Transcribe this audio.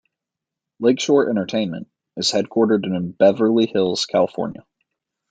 Lakeshore Entertainment is headquartered in Beverly Hills, California.